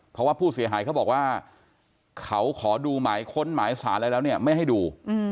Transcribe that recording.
เพราะว่าผู้เสียหายเขาบอกว่าเขาขอดูหมายค้นหมายสารอะไรแล้วเนี่ยไม่ให้ดู